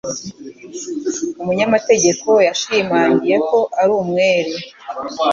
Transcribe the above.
Umunyamategeko yashimangiye ko ari umwere.